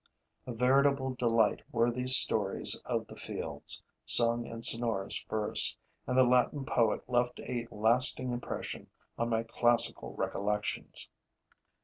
A veritable delight were these stories of the fields, sung in sonorous verse; and the Latin poet left a lasting impression on my classical recollections.